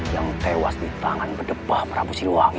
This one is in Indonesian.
yang tewas di tangan berdepah prabu siluwangi